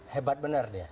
hebat benar dia